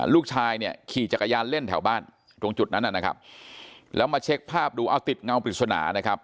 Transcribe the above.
ลูกชายเนี่ยขี่จักรยานเล่นแถวบ้านตรงจุดนั้นนะครับแล้วมาเช็คภาพดูเอาติดเงาปริศนานะครับ